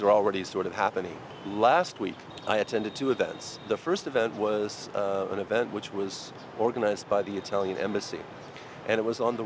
vì vậy bây giờ bởi vì chúng tôi đã có một cộng đồng chúng tôi đã thể hiện những gì có thể